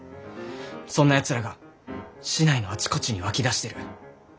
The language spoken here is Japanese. そんなやつらが市内のあちこちに湧きだしてる。